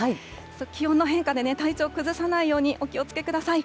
気温の変化で体調崩さないようにお気をつけください。